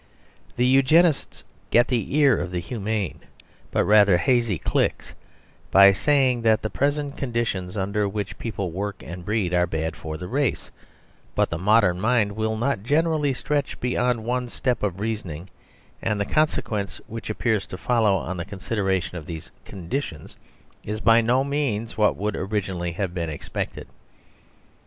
The Eugenists get the ear of the humane but rather hazy cliques by saying that the present "conditions" under which people work and breed are bad for the race; but the modern mind will not generally stretch beyond one step of reasoning, and the consequence which appears to follow on the consideration of these "conditions" is by no means what would originally have been expected.